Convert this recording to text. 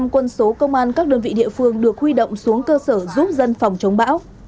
một trăm linh quân số công an các đơn vị địa phương được huy động xuống cơ sở giúp dân phòng chống bão